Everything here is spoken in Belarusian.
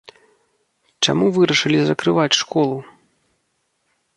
Чаму вырашылі закрываць школу?